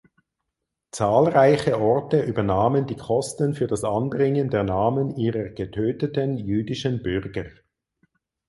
Zahlreiche Orte übernahmen die Kosten für das Anbringen der Namen ihrer getöteten jüdischen Bürger.